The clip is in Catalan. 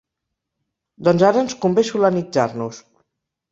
Doncs ara ens convé "solanitzar-nos".